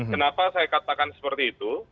kenapa saya katakan seperti itu